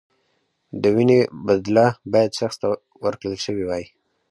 د وینې بدله باید شخص ته ورکړل شوې وای.